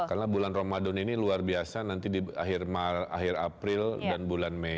karena bulan ramadan ini luar biasa nanti di akhir april dan bulan mei